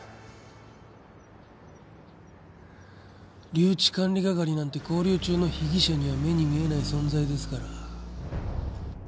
留置管理係なんて勾留中の被疑者には目に見えない存在ですから。